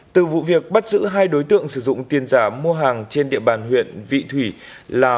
từ vụ việc bắt giữ hai đối tượng sử dụng tiền giả mua hàng trên địa bàn huyện vị thủy là